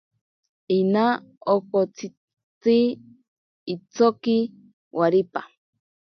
Ina okotsitzi itsoki waripa.